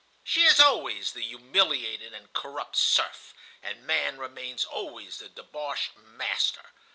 "She is always the humiliated and corrupt serf, and man remains always the debauched Master.